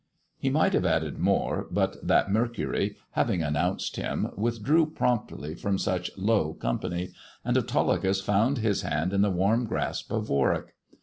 He might have added more, but that Mercury, having announced him, withdrew promptly from such low com pany, and Autolycus found his hand in the warm grasp of Warwick.